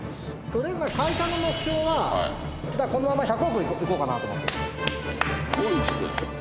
とりあえずまあ会社の目標はこのまま１００億いこうかなと思って。